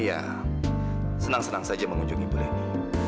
ya senang senang saja mengunjungi bu leni